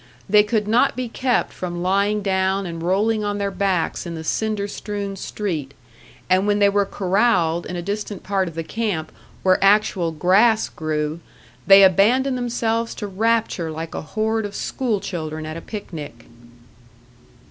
They could not be kept from lying down and rolling on their backs in the cinder strewn street; and when they were corralled in a distant part of the camp where actual grass grew, they abandoned themselves to rapture like a horde of school children at a picnic.